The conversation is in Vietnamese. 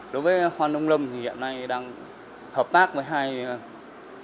đối với hoa nông lâm thì hiện nay đang hợp tác với hai doanh nghiệp